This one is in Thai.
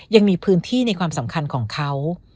ยังมีพื้นที่ในความสำคัญของเขา